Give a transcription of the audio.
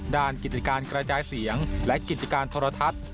กิจการกระจายเสียงและกิจการโทรทัศน์